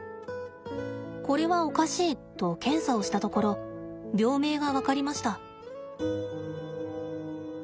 これはおかしいと検査をしたところ病名が分かりました。